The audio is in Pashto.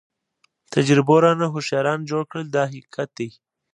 تجربو رانه هوښیاران جوړ کړل دا حقیقت دی.